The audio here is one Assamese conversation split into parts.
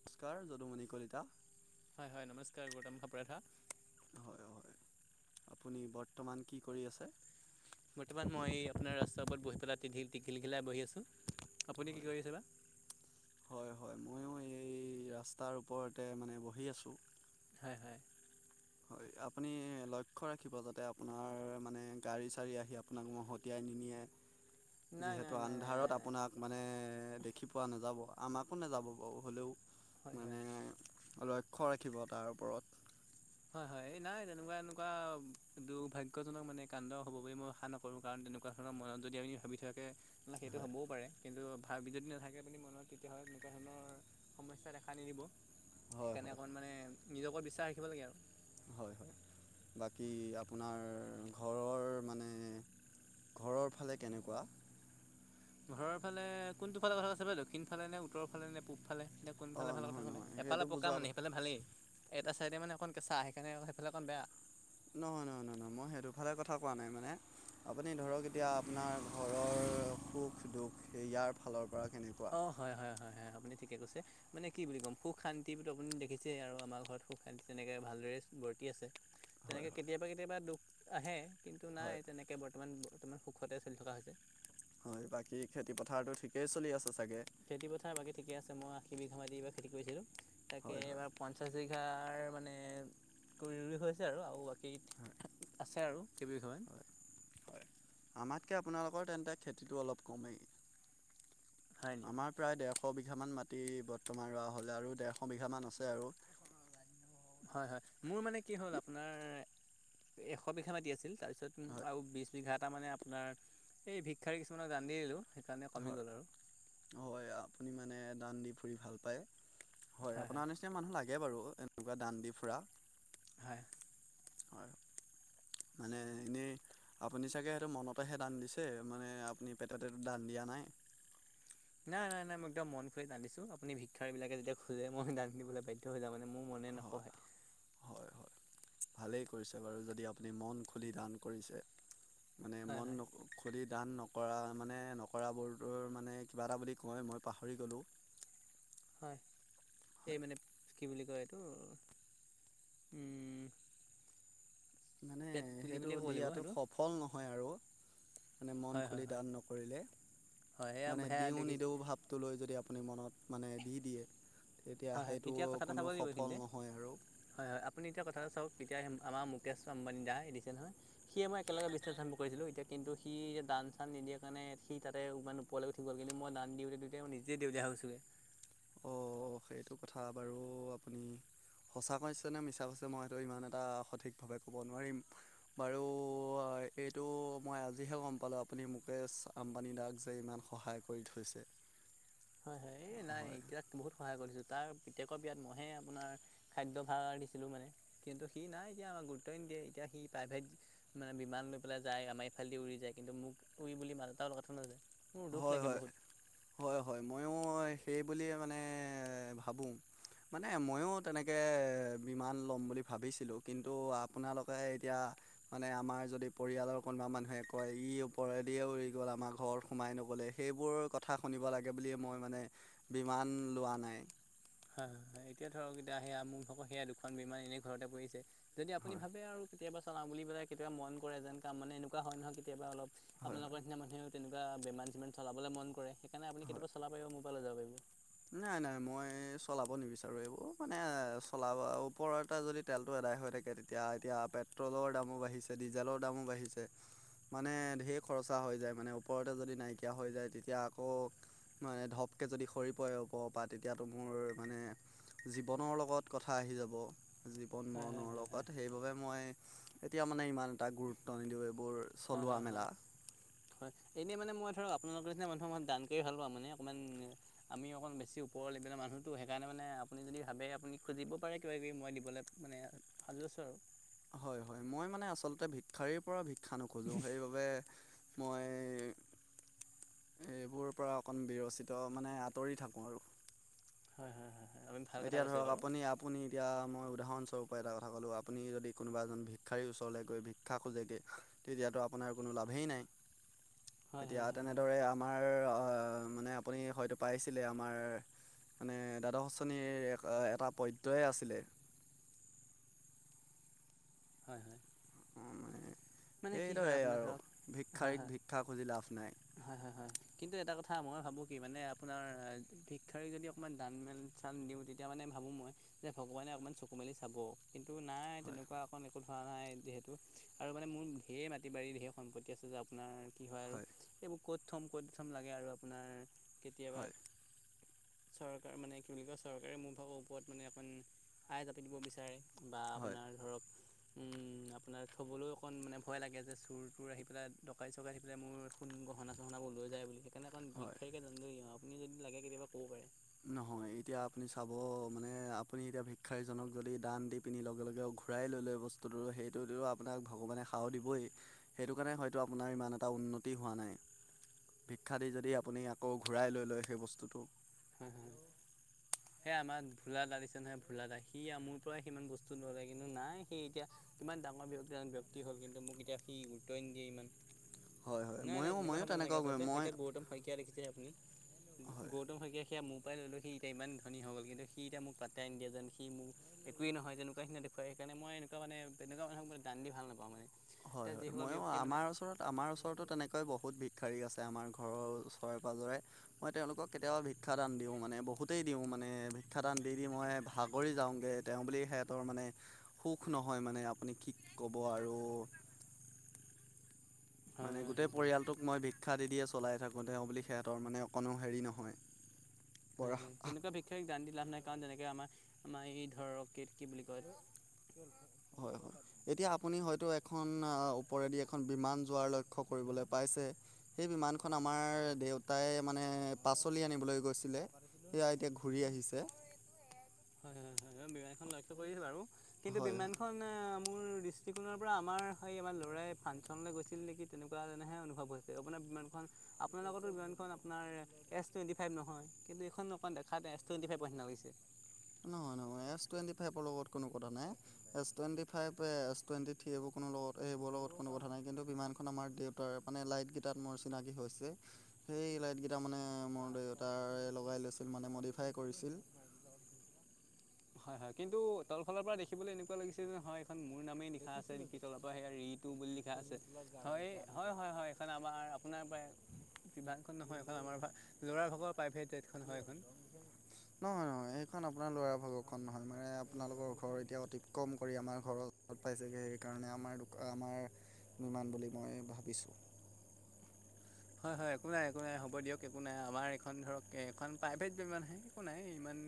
নমস্কাৰ যদুমণি কলিতা। হয় হয় নমস্কাৰ গৌতম খাপৰাধা। হয় হয়, আপুনি বৰ্তমান কি কৰি আছে? বৰ্তমান মই আপোনাৰ ৰাস্তাৰ ওপৰত বহি পেলাই তিল টিঘিলঘিলাই বহি আছোঁ। আপুনি কি হয় কৰিছে বা? হয় হয়, ময়ো এই ৰাস্তাৰ ওপৰতে মানে বহি আছোঁ। হয় হয়। হয়, আপুনি লক্ষ্য ৰাখিব যাতে আপোনাৰ মানে গাড়ী চাড়ী আহি আ আপোনাক মহতিয়াই নিনিয়ে, নাই নাই যিহেতু নাই নাই আন্ধাৰত নাই নাই আপোনাক মানে দেখি পোৱা নাযাব, আমাকো নাযাব বাৰু হ'লেও হয় হয় মানে লক্ষ্য ৰাখিব তাৰ ওপৰত। হয় হয় এই নাই তেনেকুৱা এনেকুৱা দুৰ্ভাগ্যজনক মানে কাণ্ড হব বুলি মই আশা নক কৰোঁ কাৰণ তেনেকুৱা ধৰণৰ মনত যদি আপুনি ভাবি থাকে না সেইটো হয় হ'বও পাৰে কিন্তু ভাবি যদি নাথাকে মনত তেতিয়াহ'লে তেনেকুৱা ধৰণৰ সমস্যা দেখা নিদিব হয় সেইকাৰণে হয় অকমাণ মানে নিজৰ ওপৰত বিশ্বাস ৰাখিব লাগে আও। হয় হয়। বাকী আপোনাৰ ঘৰৰ মানে ঘৰৰ ফালে কেনেকুৱা? ঘৰৰ ফালে কোনটো ফালে কথা কৈছে বা দক্ষিণ ফালে নে, উত্তৰ ফালে নে, পূব ফালে। এতিয়া কোনফালে অঁ ভাল কথা নহয় ক'লে, নহয় সেইটো এফালে পকা বুজোৱা মানে সেইফালে ভালেই। এটা চাইডে মানে অকণ কেঁচা সেইকাৰণে সেইফালে অকণ বেয়া। নহয় নহয় নহয় নহয় মই সেইটোফালে কথা কোৱা নাই মানে। আপুনি ধৰক এতিয়া আপোনাৰ ঘৰৰ সুখ দুখ ইয়াৰ ফালৰ পৰা কেনেকুৱা? অ হয় হয় হয় হয় আপুনি ঠিকে কৈছে। মানে কি বুলি ক'ম সুখ শান্তি বুলি আপুনি দেখিছেই আৰু আমাৰ ঘৰত সুখ শান্তি তেনেকে ভালদৰে বৰ্তি আছে। হয় তেনেকে হয় কেতিয়াবা কেতিয়াবা দুখ আহে কিন্তু নাই হয় তেনেকে বৰ্তমান বৰ্তমান সুখ সুখতে চলি থকা হৈছে। হয় বাকী খেতিপথাৰটো ঠিকেই চলি আছে চাগে? খেতিপথাৰ বাকী ঠিকে আছে মই আশী বিঘা মাটি এবাৰ খেতি কৰিছিলোঁ, তাকে হয় হয় এবাৰ পঞ্চাছ বি ঘাৰ মানে কৈ ৰুই হৈছে আও আৰু বাকী হয় আছে আৰু কেইবিঘামান। আমাতকে আপোনালোকৰ তেন্তে খেতিটো অলপ কমেই। হয় নি আমাৰ প্ৰায় ডেৰশ বিঘামান মাটি বৰ্তমান ৰোৱা হ'লে আৰু ডেৰশ বিঘামান আছে আৰু হয় হয় মোৰ মানে কি হ'ল আপোনাৰ এশ বিঘা মাটি আছিল তাৰপিছত হয় আৰু বিশ বিঘা এটা মানে আপোনাৰ। এই ভিক্ষাৰী কিছুমানক দান দি আহিলোঁ সেইকাৰণে কমি গ'ল আৰু। অ হয় আপুনি মানে। দান দি ফুৰি ভাল পায় হয় আপোনাৰ নিচিনা মানুহ লাগে বাৰু এনেকুৱা দান দি ফুৰা। হয়। হয় মানে এনেই। আপুনি চাগে সেইটো মনতেহে দান দিছে মানে আপুনি পেটতে দান দিয়া নাই। নাই নাই নাই মই একদম মন খুলি দান দিছো, আপুনি ভিক্ষাৰীবিলাকে যেতিয়া খোজে মই দান দিবলৈ বাধ্য হৈ যাওঁ মানে মোৰ মনে হয় নকয়। হয় হয় ভালেই কৰিছে বাৰু যদি আপুনি মন খুলি দান কৰিছে মানে হয় মন হয় ন। খুলি দান নকৰা মানে নকৰাবোৰটোৰ মানে কিবা এটা বুলি কয় মই পাহৰি গ'লোঁ হয় এই হয় মানে কি বুলি কয় এইটো। মানে পেট কুলি সেইটো বুলিয়ে ক'ব লাগিব দিয়াটো সেইটো সফল নহয় আৰু। মানে মন হয় হয় খুলি হয় দান নকৰিলে হয় সেয়া মানে সেয়া দিওঁ নিদিও দেখিছোঁ ভাব। টো লৈ যদি আপুনি মনত মানে দি দিয়ে। তেতিয়া হয় হয় সেইটো এতিয়া কথা এটা কোনো চাব লাগিব সফল এইখিনিতে নহয় আৰু। হয় হয় আপুনি এতিয়া কথাটো চাওক এতিয়া আমাৰ মুকেশ্ আম্বানী দাই এ দিছে নহয়। সিয়ে মই একেলগে বিজনেচ আৰম্ভ কৰিছিলো এতিয়া কিন্তু সি দান - চান নিদিয়াৰ কাৰণে সি তাতে। উপৰলে উঠি গ'ল কিন্ত মই দান দি উঠি মই নিজে দেওলিয়া হৈছোগে। অ অ সেইটো কথা বাৰু আপুনি। সঁচা কৈছে নে মিছা কৈছে মইটো ইমান এটা সঠিকভাৱে ক'ব নোৱাৰিম। বাৰু এইটো মই আজিহে গম পালোঁ আপুনি মুকেশ। আম্বানীডাক যে ইমান সহায় কৰি থৈছে। হয় হয় এই নাই হয় এতিয়া বহুত সহায় কৰিছো তাৰ পিতেকৰ বিয়াত মই হে আপোনাৰ। খাদ্য ভাগৰ দিছিলোঁ মানে কিন্তু সি নাই এতিয়া আমাক গুৰুত্ব এ নিদিয়ে এতিয়া সি প্ৰাইভেট। মানে বিমান লৈ পেলাই যায় আমাৰ এইফালেদি উৰি যায় কিন্তু মোক উৰি বুলি মাত এটাও লগাই থৈ নাযায়। মোৰ দুখ হয় লাগে বহুত। হয় হয় মইও। হয় সেই বুলিয়ে মানে ভাবোঁ। মানে ময়ো তেনেকৈ বিমান ল'ম বুলি ভাবিছিলোঁ কিন্তু আপোনালোকেহে এতিয়া। মানে আমাৰ যদি পৰিয়ালৰ কোনোবা মানুহে কয় ই ওপৰেদি উৰি গ'ল আমাৰ ঘৰত সোমাই নগ'লে। সেইবোৰ কথা শুনিব লাগে বুলিয়ে মই মানে। বিমান লোৱা নাই। হয় এতিয়া ধৰক এতিয়া সেয়া সেয়া দুখন বিমান এনেই ঘৰতে পৰিছে। যদি আপুনি হয় ভাবে আৰু কেতিয়াবা চলাও বুলি পেলাই কেতিয়াবা মন কৰে যেন কাম মানে এনেকুৱা হয় নহয় কেতিয়াবা অলপ। হয় হয় আপোনালোকৰ নিচিনা মানুহে। তেনেকুৱা বিমান চিমান চাবলৈ মন কৰে সেইকাৰণে আপুনি হয় কেতিয়াবা চালাব মোৰ পৰা লৈ যাব পাৰিব। নাই নাই মই চলাব নিবিচাৰো এইবোৰ মানে চলাব ওপৰতে যদি। তেলতটো আদায় হৈ থাকে তেতিয়া এতিয়া পেট্ৰলৰ দামো বাঢ়িছে ডিজেলৰ দামো বাঢ়িছে। মানে ঢেৰ খৰচা হৈ যায় মানে ওপৰতে যদি নাইকিয়া হৈ যায় তেতিয়া আকৌ। মানে ধপকে যদি হৰি। [unintelligible] তেতিয়াতো মোৰ মানে জীৱনৰ লগত কথা আহি যাব। জীৱন হয় হয় মৰণৰ হয় হয় লগত সেইবাবে মই। এতিয়া মানে ইমান এটা গুৰুত্ব নিদিওঁ এইবোৰ হয় চলোৱা হয় হয় মেলা। হয় এনে মানে মই ধৰক আপোনালোকৰ নিচিনা মানুহক দান কৰি ভাল পাওঁ মানে অকমান। আমি অকণ বেছি ওপৰৰ লেভেলৰ মানুহটো সেইকাৰণে মানে আপুনি যদি ভাবে আপুনি খুজিব পাৰে কিবা কিবি মই দিবলে। [inaudible] [inaudible] আছোঁ হয় হয় মই মানে আচলতে ভিক্ষাৰীৰ পৰা ভিক্ষা নোখোজো সেইবাবে। মই। এইবোৰ পৰা অকন বিৰচিত মানে আঁতৰি থাকো আৰু। হয় হয় হয় [inaudible] এতিয়া ধৰক বাৰু আপুনি আ। আপুনি এতিয়া মই উদাহৰণস্বৰূপে এটা কথা ক'লোঁ আপুনি যদি কোনোবা এজন ভিক্ষাৰীৰ ওচৰলৈ গৈ ভিক্ষা খোজেগে। তেতিয়াতো আপোনাৰ কোনো লাভেই নাই হয় এতিয়া হয় হয় হয় তেনেদৰে আ। মাৰ মানে আপুনি হয়তো পাইছিলে আমাৰ মানে দাদ। মানে এটা পদ্য আছিলে। হয় হয়। মানে কি হয় এইদৰে আপোনাৰ আৰু ধৰক হয় হয় ভিক্ষাৰীক ভিক্ষা খুজি লাভ নাই। হয় হয় হয় কিন্তু এটা কথা মই ভাবোঁ কি মানে আপোনাৰ শিক্ষাৰী যদি অকণমান দান মেল। উ স্থান দিওঁ তেতিয়া মানে ভাবোঁ মই যে ভগৱানে অকণমান চকু মেলি চাব। কিন্তু নাই হয় তেনেকুৱা অকণ একো ধৰা নাই যিহেতু আৰু। মানে মোৰ ঢেৰ মাটি বাৰীত ঢেৰ সম্পত্তি আছে যে আপোনাৰ কি হয় আৰু। ক'ত থ'ম ক'ত থ'ম লাগে আৰু আপোনাৰ কেতিয়াবা। হয় চৰকাৰ মানে কি বুলি কয় চৰকাৰে মোৰ ভাগৰ ওপৰত মানে অকণ আয় জাপি দিব বিচাৰে। বা হয় আপোনাৰ ধৰক আপোনাৰ থ'বলৈ। অকণ মানে ভয় লাগে যে চুৰ তোৰ আহি পেলাই দৰাই চকাই আহি পেলাই মোৰ ফোন গহনা চহনাবোৰ লৈ যায় বুলি। কেনেকণ হয় ভিক্ষাৰিতকৈ জান দিওঁ আপুনি যদি লাগে কেতিয়াবা ক'ব পাৰে। নহয় এতিয়া আপুনি চাব মানে আপুনি এতিয়া ভিক্ষাৰীজনক যদি দান দি। পিনি লগে লগেও ঘূৰাই লৈ লয় বস্তুটো সেইটোতো আপোনাক ভগৱানে সাও দিবই। সেইটো কাৰণে হয়তো আপোনাৰ ইমান এটা উন্নতি হোৱা নাই। ভিক্ষা দি যদি আপুনি আকৌ ঘূৰাই লৈ লয় সেই বস্তুটো। [unintelligible] [inaudible] সেই আমাৰ ভোলা দা দিছে নহয় ভোলা দা সি আমোৰ পৰাই সিমান বস্তু নয় কিন্তু নাই সি এতিয়া। কিমান ডাঙৰজন ব্যক্তি হ'ল কিন্তু মোক এতিয়া সি গুৰুত্বই নিদিয়ে ইমান। হয় হয় নাই নাই ময়ো তেনেকুৱা ময়ো হ'ব নালাগে আচলতে মই এতিয়া গৌতম শইকীয়া দেখিছে আপুনি হয় গৌতম শইকীয়া। সেয়া মোৰ পৰাই লৈ লৈ এতিয়া ইমান ধনী হৈ গ'ল কিন্তু সি এতি মোক পাত্তাই নিদিয়া যেন সি মোক। একোৱে নহয় তেনেকুৱা দেখুৱাই সেইকাৰণে মই এনেকুৱা মানে তেনেকুৱা মানুহবোৰক দান দি ভাল নাপাওঁ মানে। হয় এতিয়া হয় যিসকল মইয়ো ব্যক্তিয়ে মানে আমাৰ ওচৰত। আমাৰ ওচৰতো তেনেকৈ বহুত ভিক্ষাৰী আছে আমাৰ ঘৰৰ ওচৰে পাজৰে। মই তেওঁলোকক কেতিয়াবা ভিক্ষা দান দিওঁ মানে বহুতেই দিওঁ মানে ভিক্ষাদান দি দি মই ভাগৰি যাওঁগে। তেওঁ বুলি সিহঁতৰ মানে সুখ নহয় মানে আপুনি কি ক'ব আৰু। হয় মানে হয় গোটেই হয় হয় পৰিয়ালটোক মই ভিক্ষা দি দিয়ে চলাই থাকোঁ তেওঁ বুলি সিহঁতৰ মানে অকণো হেৰি নহয়। হয় পৰা তেনেকুৱা বিশেষয় দান দি লাভ নাই কাৰণ যেনেকৈ আমাৰ আমাৰ এই ধৰক কি বুলি কয়। হয় হয়। এতিয়া আপুনি হয়তো এখন ওপৰেদি এখন বিমান যোৱাৰ লক্ষ্য কৰিবলৈ পাইছে। সেই বিমানখন আমাৰ দেউতাই মানে পাচলি আনিবলৈ গৈছিলে। সেয়া এতিয়া ঘূৰি আহিছে। হয় হয় হয় হয় বিমানখন লক্ষ্য কৰিছো বাৰু কিন্তু হয় বিমানখন। আহ, মোৰ [inaudible] দৃষ্টিকোণৰ পৰা আমাৰ সেই আমাৰ ল'ৰাই ফাংচনলৈ গৈছিল নেকি তেনেকুৱা যেনেহে অনুভৱ হৈছে আপোনাৰ বিমানখন। আপোনাৰ লগতো বিমাননখন আপোনাৰ। এছ টুৱেণ্টিফাইভ নহয় কিন্তু এইখন অকন দেখা এছ টুৱেণ্টিফাইভৰ নিছিনা লাগিছে। নহয় নহয় এছ টুৱেণ্টি ফাইভৰ লগত কোনো কথা নাই। S twenty five S twenty three এইবোৰ কোনো লগত এইবোৰ লগত কোনো কথা নাই কিন্তু বিমানখন আমাৰ। মানে লাইটকেইটাত মোৰ চিনাকি হৈছে। সেই লাইট কেইটা মানে মোৰ দেউতাৰে লগাই লৈছিল মানে মডিফাই কৰিছিল। হয় হয় কিন্তু তলফালৰ পৰা দেখিবলৈ এনেকুৱা লাগিছে যে হয়। খন মোৰ নামেই লিখা আছে নেকি তলৰ পৰা সেয়া ৰিতু বুলি লিখা আছে হয় হয় হয় হয়। এখন আমাৰ আপোনাৰ প্ৰায় বিভাগখন নহয় এখন আমাৰ ল'ৰা ভাগৰ প্ৰাইভেট জেটখন হয় এইখন। [unintelligible] নহয় নহয় সেইখন আপোনাৰ ল'ৰা ভাগৰখন নহয় মানে আপোনালোকৰ ঘৰ এতিয়া অতি কম কৰি আমাৰ ঘৰ। ত পাইছেগৈ সেইকাৰণে আমাৰ আমাৰ বিমান বুলি মই ভাবিছোঁ। হয় হয় একো নাই একো নাই হ'ব দিয়ক একো নাই আমাৰ এখন ধৰক এখন প্ৰাইভেট বিমানহে একো নাই ইমান।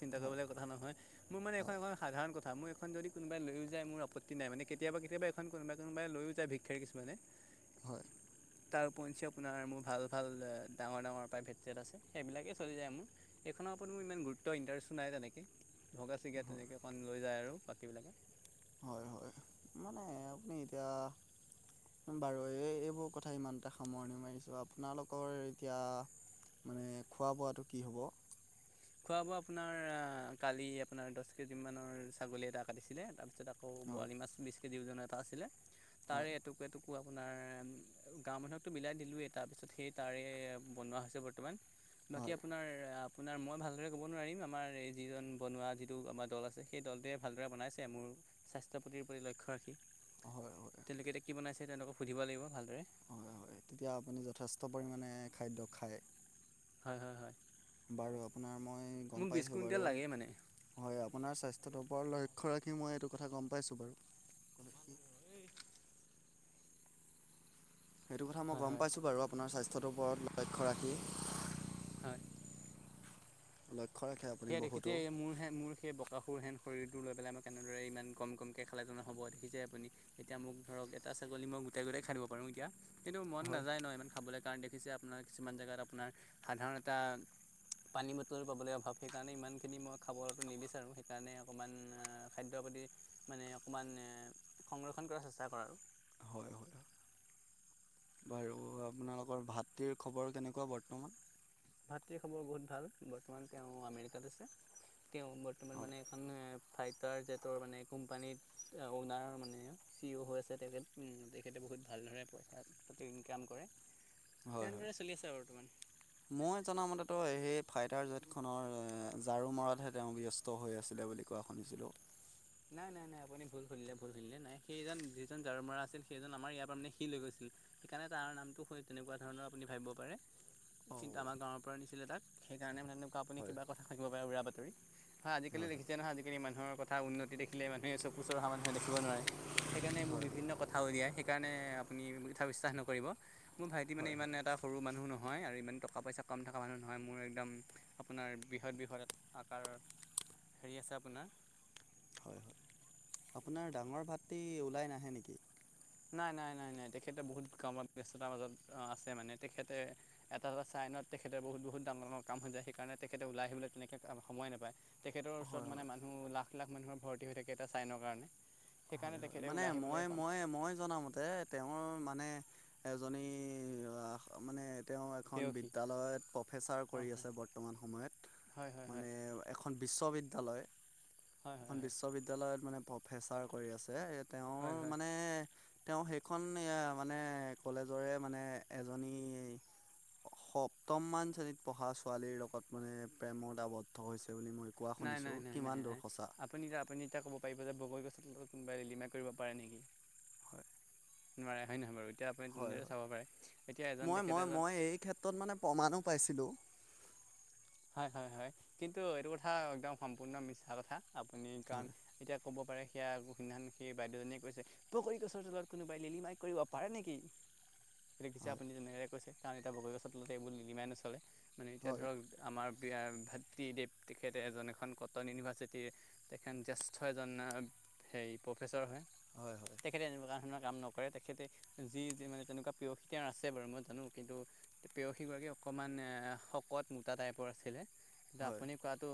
চিন্তা হয় কৰিবলগীয়া কথা নহয় মোৰ মানে এখন হয় এখন সাধাৰণ ক। হা মোৰ এইখন যদি কোনোবাই লৈও যায় মোৰ আপত্তি নাই মানে কেতিয়াবা কেতিয়াবা এখন কোনোবাই কোনোবাই লৈও যায় ভিক্ষাৰী কিছুমানে। হয়। তাৰ পঞ্চে আপোনাৰ মোৰ ভাল ভাল ডাঙৰ ডাঙৰ প্ৰাইভেট জেট আছে সেইবিলাকেই চলি যায় মো। এইখনৰ ওপৰত মোৰ ইমান গুৰুত্ব ইণ্টাৰেষ্টটো নাই তেনেকে। ভগা চিগা তেনেকৈ অকণ লৈ যায় আৰু বাকীবিলাকে। হয় হয় মানে আপুনি এতিয়া। বাৰু এই এইবোৰ কথা ইমানটা সামৰণি মাৰিছো আপোনালোকৰ এতিয়া। মানে খোৱা বোৱাটো কি হ'ব। খোৱা বোৱা আপোনাৰ আহ কালি আপোনাৰ দহ কেজি মানৰ ছাগলী এটা কাটিছিলে তাৰপিছত। আকৌ হয় বৰালি মাছ বিশ কেজিওজনৰ এটা আছিলে হয় তাৰে এটুকুৰ এটু। পুৱা আপোনাৰ গাঁও মানুহকতো বিলাই দিলোঁৱেই তাৰপিছত সেই তাৰে বনোৱা হৈছে বৰ্তমান। বাকী হয় আপোনাৰ আপোনাৰ মই ভাল। ভালদৰে ক'ব নোৱাৰিম আমাৰ এই যিজন বনোৱা যিটো আমাৰ দল আছে সেই দলটোৱে ভালদৰে বনাইছে মোৰ। স্বাস্থ্যৰ প্ৰতিৰ প্ৰতি লক্ষ্য ৰাখি হয় হয় তেওঁলোকে এতিয়া কি বনাইছে তেওঁলোকক সুধিব লাগিব ভালদৰে। হয় হয় তেতিয়া আপুনি যথেষ্ট পৰিমাণে খাদ্য খায়। হয় হয় হয়। বাৰু আপোনাৰ মই মোক গম বিছ পাইছোঁ কুইণ্টেল বাৰু। লাগেই মানে হয় আপোনাৰ স্বাস্থ্যটোৰ ওপৰত লক্ষ্য ৰাখি মই এইটো কথা গম পাইছো বাৰু। সেইটো কথা মই হয় গম হয় পাইছোঁ বাৰু আপোনাৰ স্বাস্থ্যৰ ওপৰত লক্ষ্য ৰাখি। হয় লক্ষ্য। ৰাখে আপুনি সেয়া দেখিচে বহুতো। মোৰ সে মোৰ সেই বক। কাসুৰ হেন শৰীৰটো লৈ পেলাই মই কেনেদৰে ইমান কম কমকৈ খালেতো নহবয়ে দেখিছে আপুনি। এতিয়া মোক ধৰক এটা ছাগলী মই গোটাই গোটাই খাই দিব পাৰোঁ এতিয়া কিন্তু মন হয় নাযায় ন ইমান খাবলে। কাৰণ দেখিছে আপোনাৰ কিছুমান জেগাত আপোনাৰ সাধাৰণ এটা পানী বটল পাবলৈ অভাৱ। সেইকাৰণে ইমানখিনি মই খাবতো নিবিচাৰোঁ সেইকাৰণে অকণমান খাদ্যৰ প্ৰতি মানে অকণমান। সংৰক্ষণ কৰাৰ চেষ্টা ককৰা আৰু। হয় হয় বাৰু আপোনালোকৰ ভাত্ৰিৰ খবৰ কেনেকোৱা বৰ্তমান। ভাতৃ খবৰ বহুত ভাল বৰ্তমান তেওঁ আমেৰিকাত আছে তেওঁ বৰ্তমান হয় মানে এখন। [unintelligible] ফাইটাৰ জেটৰ মানে কোম্পানীত। অ'নাৰ মানে চি অ' হৈ আছে তেখেত তেখেতে বহুত ভালদৰে পইচা। প্ৰতি ইনকাম কৰে হয় হয়। তেনেদৰে চলি আছে বৰ্তমান। মই জনামতেতো সেই ফাইটাৰ জটখনৰ ঝাৰু মৰাতহে তেওঁ ব্যস। ত হৈ আছিলে বুলি কোৱা শুনিছিলোঁ। নাই নাই নাই আপুনি ভুল শুনিলে ভুল শুনিলে নাই সেইজন যিজন জঝাৰু মৰা আছিল সেইজন আমাৰ ইয়াৰ পৰা মানে শিল হৈ গৈছিল। সেইকাৰণে তাৰ নামটো হয় তেনেকুৱা ধৰণৰ আপুনি ভাবিব পাৰে। কিন্তু অ' আমাৰ গাঁৱৰ পৰা নিছিলে তাক সেইকাৰণে তেনেকুৱা আপুনি হয় কিবা কথা শাকিব পাৰে উৰা বাতৰি। হয় আজিকালি দেখিছে নহয় আজিকলি মানুহৰ কথা উন। দেখিলে মানুহে চকুচ অহা মানুহে দেখিব নোৱাৰে সেইকাৰণে মোৰ হয় বিভিন্ন কথা উলিয়ায় সেইকাৰণে। আপুনি কথা বিশ্বাস নকৰিব। মোৰ ভাইটি মানে হয় ইমান হয় এটা সৰু মানুহ নহয় আৰু ইমান টকা পইচা কম থকা মানুহ নহয় মোৰ একদম। আপোনাৰ বৃহৎ বৃহৎ আকাৰ হেৰি আছে আপোনাৰ। হয় হয়। আপোনাৰ ডাঙৰ ভাতটি ওলাই নাহে নেকি। নাই নাই নাই নাই তেখেতে বহুত কামত ব্যস্ততাৰ মাজত আছে মানে তেখেতে। এটা এটা চাইনত তেখেতে বহুত বহুত ডাঙৰ ডাঙৰ কাম হৈ যায় সেইকাৰণে তেখেতে ওলাই আহিবলৈ তেনেকৈ সময় নাপায়। তেখেতৰ ওচৰত হয় হয় মানে মানুহ লাখ লাখ মানুহৰ ভৰ্তি হৈ থাকে এটা চাইনৰ কাৰণে। হয় সেইকাৰণে তেখেতে মানে ওলাই আহিবলৈ মই এখন মই মই জনামতে। তেওঁৰ মানে এজনী [inaudible] মানে। তেওঁ এখন পেয়সী বিদ্যালয়ত প্ৰফেচাৰ অঁ কৰি আছে বৰ্তমান সময়ত হয় হয় হয় মানে। এখন বিশ্ববিদ্যালয় হয় হয় হয় এখন হয় বিশ্ববিদ্যালয়ত মানে প্ৰফেচাৰ কৰি আছে ইয়াত। তেওঁৰ হয় হয় মানে। তেওঁ সেইখন মানে কলেজৰে মানে এজনী। সপ্তমমান শ্ৰেণীত পঢ়া ছোৱালীৰ লগত মানে প্ৰেমত আবদ্ধ হৈছে বুলি মই। কোৱা নাই শুনিছোঁ নাই নাই নাই কিমান দূৰ নাই সঁচা। আপুনি এ আপুনি এতিয়া ক'ব পাৰিব যে বগী গছৰ তত কোনোবাই লিলিমা কৰিব পাৰে নেকি। হয়। নোৱাৰে হয় নহয় বাৰু এতিয়া আপুনি হয় তেনেদৰে হয় চাব পাৰে এতিয়া এজন তেখেত এজন। তত মানে প্ৰমাণো পাইছিলোঁ। হয় হয় হয় কিন্তু এইটো কথা একদম সম্পূৰ্ণ মিছা কথা আপুনি কাৰণ হয় এতিয়া। ক'ব পাৰে সেয়া এক সিধান সেই বাইদেউজনীয়ে কৈছে। বগৰী গছৰ তলত কোনোবাই লেলিমাই কৰিব পাৰে নেকি। গিছে হয় আপুনি যেনেদৈ কৈছে কাৰণ এতিয়া বগৈগছৰ তলতে এইবোৰ নিলিমাই নচলে মানে এতিয়া হয় ধৰক। আমাৰ বিয়া ভাতৃদেৱ তেখেতে এজন এখন কটন ইউনিভাৰ্চিটিৰ। তেখন যেষ্ঠ এজন হেৰি প্ৰফেচৰ হয়। হয় তেখেতে এনেকুৱা ধৰণৰ কাম নকৰে তেখেতে। যি যি মানে তেনেকুৱা প্ৰিয় [inaudible] আছে বাৰু মই জানো কিন্তু। পেৰসীগৰাকী অকণমান শকত মোটা টাইপৰ আছিলে কিন্তু হয় আপুনি কোৱাটো।